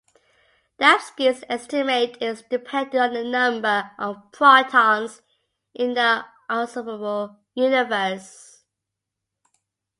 Dembski's estimate is dependent on the number of protons in the observable universe.